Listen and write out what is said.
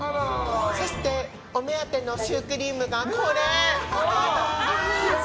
そして、お目当てのシュークリームがこれ。